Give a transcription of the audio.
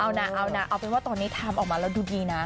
เอานะเอานะเอาเป็นว่าตอนนี้ทำออกมาแล้วดูดีนะ